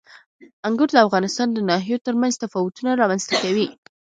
انګور د افغانستان د ناحیو ترمنځ تفاوتونه رامنځ ته کوي.